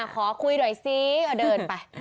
ขอคุยหน่อยซิเดินไป